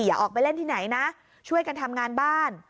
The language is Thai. อย่าออกไปเล่นที่ไหนนะช่วยกันทำงานบ้าน